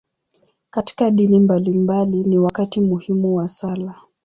Katika dini mbalimbali, ni wakati muhimu wa sala.